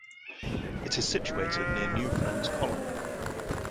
It is situated near New Friends Colony.